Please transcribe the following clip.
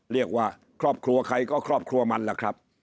เรียกว่าครอบครัวใครก็ครอบครัวมันล่ะครับ